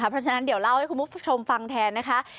เพราะฉะนั้นเดี๋ยวเล่าให้คุณผู้ชมฟังแทนนะคะ